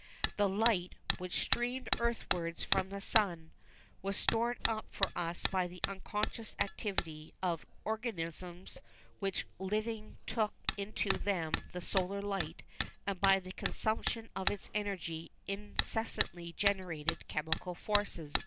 The light 'which streamed earthwards from the sun' was stored up for us by the unconscious activity of 'organisms which living took into them the solar light, and by the consumption of its energy incessantly generated chemical forces.